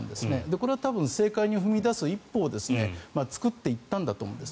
これは政界に踏み出す一歩を作っていったんだと思います。